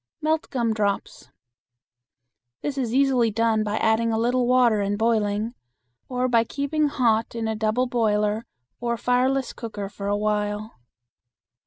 Melt gum drops. This is easily done by adding a little water and boiling, or by keeping hot in a double boiler or fireless cooker for a while.